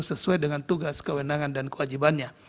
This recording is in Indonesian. sesuai dengan tugas kewenangan dan kewajibannya